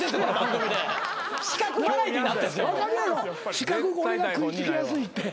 資格俺が食い付きやすいって。